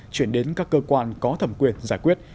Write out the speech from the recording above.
chuyển đến các cơ quan có thẩm quyền giải quyết